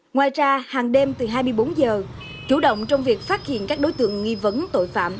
ngoài ra hàng đêm từ hai mươi bốn giờ chủ động trong việc phát hiện các đối tượng nghi vấn tội phạm